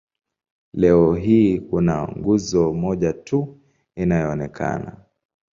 Leo hii kuna nguzo moja tu inayoonekana.